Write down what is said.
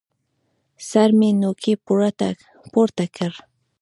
سر مې نوکى پورته کړ.